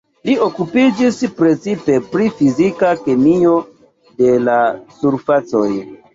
Li okupiĝis precipe pri fizika kemio de la surfacoj.